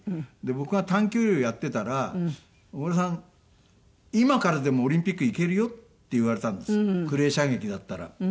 僕が短距離をやってたら「小倉さん今からでもオリンピック行けるよ」って言われたんですクレー射撃だったら。